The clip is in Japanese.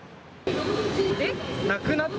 えっ？